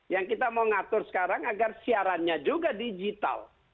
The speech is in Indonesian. yang kita mau ngatur sekarang agar siarannya juga digital